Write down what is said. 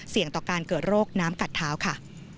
ต่อการเกิดโรคน้ำกัดเท้าค่ะ